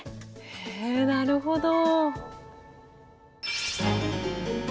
へえなるほど。